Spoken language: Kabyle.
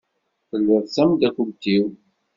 Telliḍ d tamdakelt-iw.